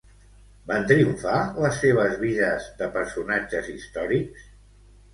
Van triomfar les seves vides de personatges històrics?